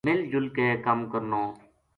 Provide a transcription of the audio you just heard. ” مِل جُل کے کَم کرنو “